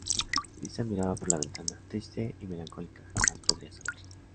Lisa miraba por la ventana, triste y melancólica jamás podría saber